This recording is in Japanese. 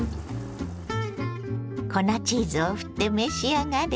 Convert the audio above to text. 粉チーズをふって召し上がれ。